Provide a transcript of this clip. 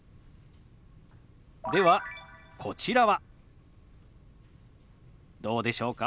ではこちらはどうでしょうか？